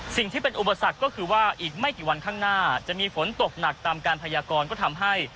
สิ่งที่เป็นอุปสรรคก็คือว่าอีกไม่กี่วันข้างหน้าจะมีฝนตกหนักตามการพยากรก็ทำให้